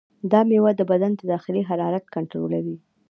دا میوه د بدن د داخلي حرارت کنټرولوي.